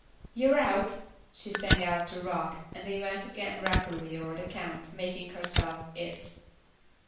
"You're out," she sang out to Rock and then went again rapidly over the count, making herself "It."